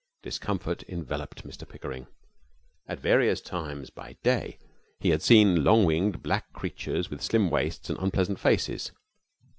Discomfort enveloped Mr Pickering. At various times by day he had seen long winged black creatures with slim waists and unpleasant faces.